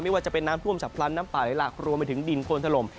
ว่าจะเป็นน้ำท่วมฉับพลันน้ำป่าไหลหลักรวมไปถึงดินโคนถล่ม